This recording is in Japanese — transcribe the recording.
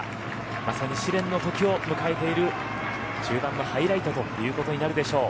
まさに試練の時を迎えている中盤のハイライトとなるでしょう。